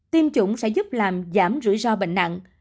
tiêm chủng sẽ giúp làm giảm rủi ro bệnh nặng